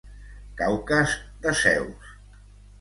Caucas de Zeus.